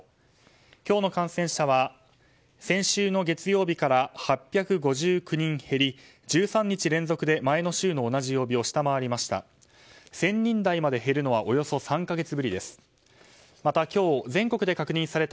今日の感染者は先週の月曜日から８５９人減り１３日連続で前の週の同じ曜日を下回りました。